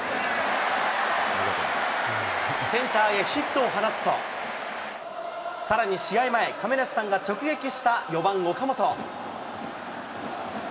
センターへヒットを放つと、さらに試合前、亀梨さんが直撃した４番岡本。